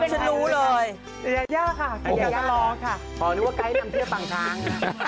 ของนั้นเขาก็น้ำเทียบอากาศ